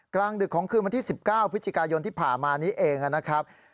กลางดึกของคืนวันที่๑๙พฤศจิกายนที่ผ่านมานี้เองนะครับ